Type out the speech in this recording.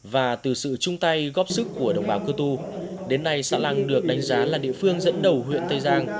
và từ sự chung tay góp sức của đồng bào cơ tu đến nay xã lăng được đánh giá là địa phương dẫn đầu huyện tây giang